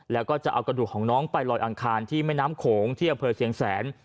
แล้วก็จะเอากระดูกของน้องไปลอยอังคารที่แม่น้ำโขงที่อำเภอเชียงแสน